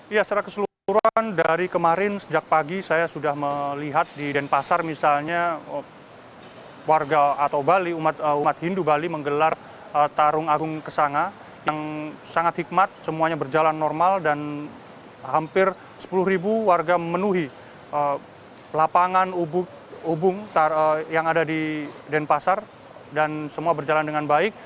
ya secara keseluruhan dari kemarin sejak pagi saya sudah melihat di denpasar misalnya warga atau umat hindu bali menggelar tarung agung kesanga yang sangat hikmat semuanya berjalan normal dan hampir sepuluh ribu warga memenuhi lapangan ubung yang ada di denpasar dan semua berjalan dengan baik